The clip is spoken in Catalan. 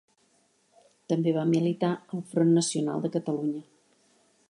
També va militar al Front Nacional de Catalunya.